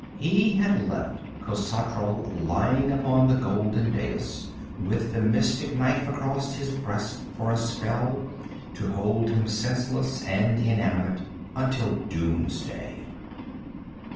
He had left Khosatral lying upon the golden dais with the mystic knife across his breast for a spell to hold him senseless and inanimate until doomsday.